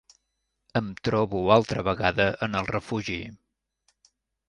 Em trobo altra vegada en el refugi